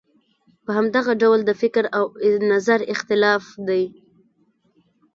په همدغه ډول د فکر او نظر اختلاف دی.